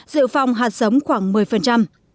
dự phòng hạt giống khoảng ba mươi diện tích